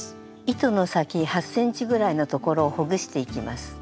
糸の先８ｃｍぐらいのところをほぐしていきます。